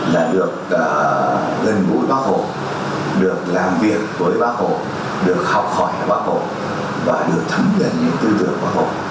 là được gần gũi bác hồ được làm việc với bác hồ được học hỏi bác hồ và được thấm gần những tư tưởng bác hồ